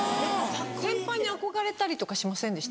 先輩に憧れたりとかしませんでした？